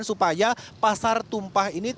dan supaya pasar tumpah ini tidak terjadi